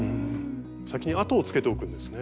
先に跡をつけておくんですね。